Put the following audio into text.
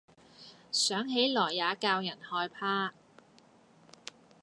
想起來也教人害怕。